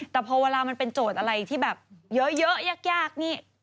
แต่พอเวลามันเป็นโจทย์อะไรที่แบบเยอะยากนี่